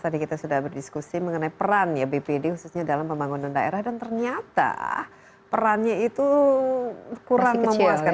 tadi kita sudah berdiskusi mengenai peran ya bpd khususnya dalam pembangunan daerah dan ternyata perannya itu kurang memuaskan